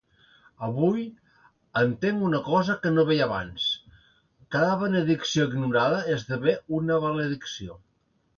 Avui, entenc una cosa que no veia abans: cada benedicció ignorada esdevé una maledicció.